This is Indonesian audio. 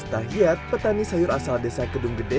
tahiyad petani sayur asal desa kedung gede